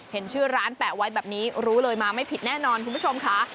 เห็นชื่อร้านแปะไว้แบบนี้รู้เลยมาไม่ผิดแน่นอนคุณผู้ชมค่ะ